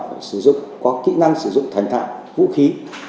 họ sử dụng có kỹ năng sử dụng thành thạo vũ khí